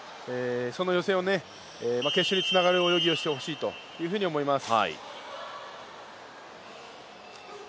その予選を決勝につながる泳ぎをしてほしいと思います。